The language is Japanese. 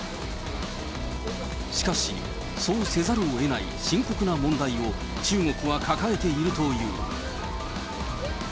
しかし、そうせざるをえない深刻な問題を中国は抱えているという。